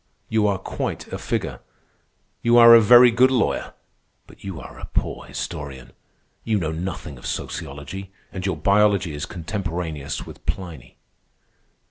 You are quite a figure. You are a very good lawyer, but you are a poor historian, you know nothing of sociology, and your biology is contemporaneous with Pliny."